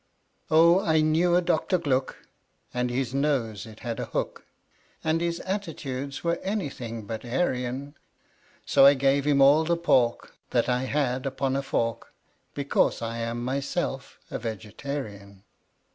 Oh, I knew a Doctor Gluck, And his nose it had a hook, And his attitudes were anything but Aryan; So I gave him all the pork That I had, upon a fork; Because I am myself a Vegetarian.